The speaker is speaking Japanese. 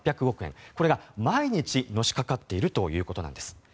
これが毎日、のしかかっているということなんです。